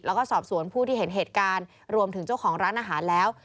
แล้วก็สอบสวนผู้ที่เห็นเหตุการณ์รวมถึงเจ้าของร้านอาหารแล้ว